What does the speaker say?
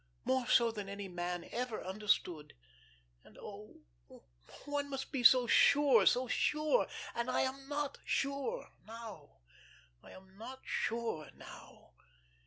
More so than any man ever understood. And, oh, one must be so sure, so sure. And I am not sure now. I am not sure now.